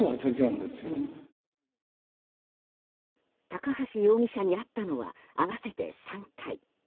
高橋容疑者に会ったのは合わせて３回。